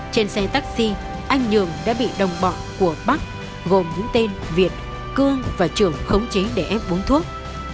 trên xe taxi anh nhường đã bị đồng bọ của bắc gồm những tên việt cương và trường khống chế để ép vốn thuốc